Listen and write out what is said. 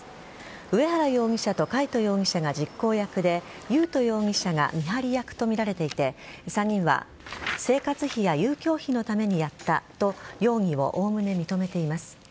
上原容疑者と魁人容疑者が実行役で優斗容疑者が見張り役とみられていて３人は生活費や遊興費のためにやったと容疑をおおむね認めています。